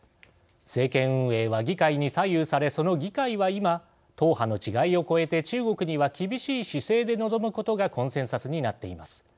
政権運営は議会に左右されその議会は、今党派の違いを超えて中国には厳しい姿勢で臨むことがコンセンサスになっています。